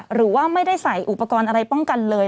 หรือว่าไม่ได้ใส่อุปกรณ์อะไรป้องกันเลย